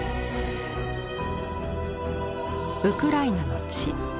ウクライナの地